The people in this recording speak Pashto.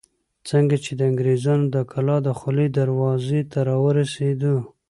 څنګه چې د انګرېزانو د کلا دخولي دروازې ته راورسېدو.